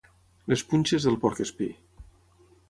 Les punxes del porc espí.